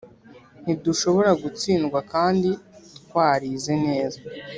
Ntidushobora gutsindwa kandi twarize neza